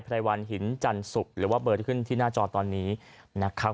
รายวันหินจันสุกหรือว่าเบอร์ที่ขึ้นที่หน้าจอตอนนี้นะครับ